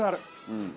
うん。